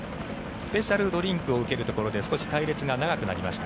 スペシャルドリンクを受けるところで少し隊列が長くなりました。